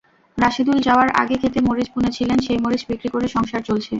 রাশেদুল যাওয়ার আগে খেতে মরিচ বুনেছিলেন, সেই মরিচ বিক্রি করে সংসার চলছে।